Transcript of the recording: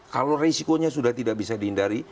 kalau risikonya sudah tidak bisa dihindari